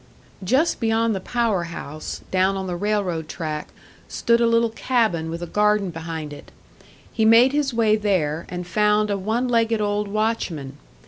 Just beyond the power house, down on the railroad track, stood a little cabin with a garden behind it. He made his way there, and found a one legged old watchman.